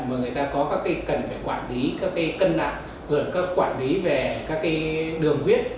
mà người ta có các cái cần phải quản lý các cái cân nặng các quản lý về các cái đường huyết